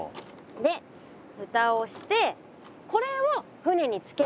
でふたをしてこれを船につけるの。